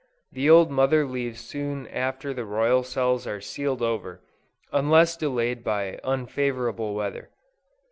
The old mother leaves soon after the royal cells are sealed over, unless delayed by unfavorable weather.